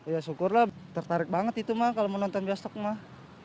ya syukurlah tertarik banget itu mah kalau menonton bioskop mah